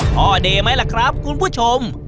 พ่อเดมั้ยละครับคุณผู้ชม